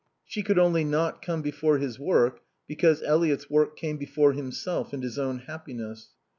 She could only not come before his work because Eliot's work came before himself and his own happiness.